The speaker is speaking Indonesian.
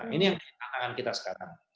ini yang tantangan kita sekarang